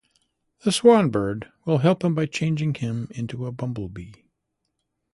The Swan-Bird will help him by changing him into a bumblebee.